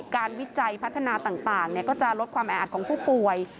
วิจัยพัฒนาต่างก็จะลดความแออัดของผู้ป่วย